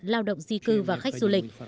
lao động di cư và khách du lịch